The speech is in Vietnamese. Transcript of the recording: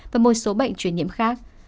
và một số bệnh chuyển nhiễm khác